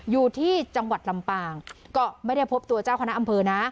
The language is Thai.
อยู่ที่จังหวัดลำปางก็ไม่ได้พบตัวเจ้าคณะอำเภอนะ